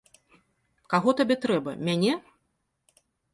Каго табе трэба, мяне?